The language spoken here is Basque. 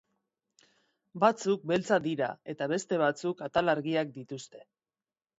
Batzuk beltzak dira eta beste batzuk atal argiak dituzte.